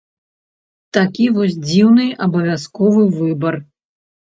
Такі вось дзіўны абавязковы выбар.